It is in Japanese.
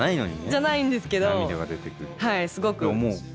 じゃないんですけどすごく泣いてしまう。